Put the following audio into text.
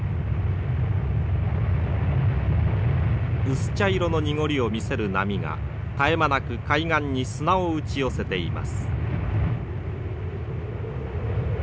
薄茶色の濁りを見せる波が絶え間なく海岸に砂を打ち寄せています。